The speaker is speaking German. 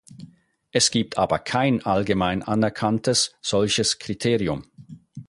Es gibt aber kein allgemein anerkanntes solches Kriterium.